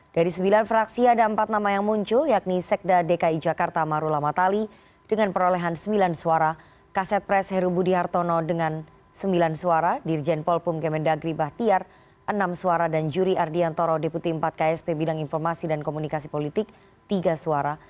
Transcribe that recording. dari sembilan fraksi ada empat nama yang muncul yakni sekda dki jakarta marula matali dengan perolehan sembilan suara kaset pres heru budi hartono dengan sembilan suara dirjen polpum kemendagri bahtiar enam suara dan juri ardiantoro deputi empat ksp bidang informasi dan komunikasi politik tiga suara